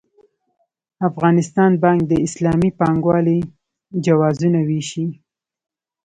افغانستان بانک د اسلامي بانکوالۍ جوازونه وېشي.